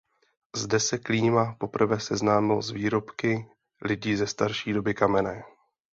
Zde se Klíma poprvé seznámil s výrobky lidí ze starší doby kamenné.